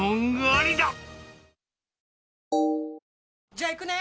じゃあ行くね！